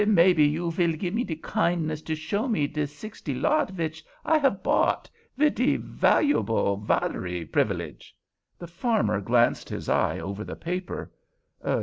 "Den maybe you vill have de kindness to show me de sixty lot vich I have bought, vid de valuarble vatare privalege?" The farmer glanced his eye over the paper.